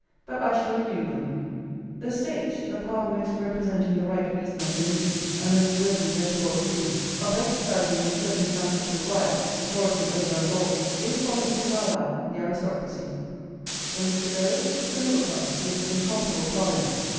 But I shall elude them. The State, the power most representing the right reason of the nation, and most worthy, therefore, of ruling, of exercising, when circumstances require it, authority over us all, is for Mr. Carlyle the aristocracy. For Mr. Lowe, it is the middle class with its incomparable Parliament.